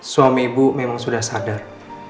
suami ibu memang sudah sadar